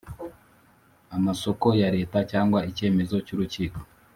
amasoko ya Leta cyangwa icyemezo cy urukiko